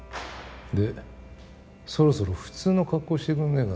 でそろそろ普通の格好してくんねえかな？